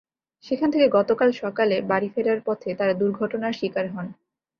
সেখান থেকে গতকাল সকালে বাড়ি ফেরার পথে তাঁরা দুর্ঘটনার শিকার হন।